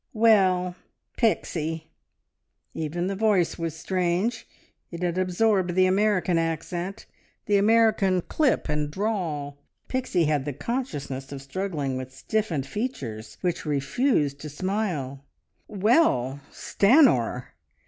"Well Pixie!" Even the voice was strange. It had absorbed the American accent, the American clip and drawl. Pixie had the consciousness of struggling with stiffened features which refused to smile. "Well Stanor!"